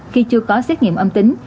khi chưa có xét nghiệm âm tính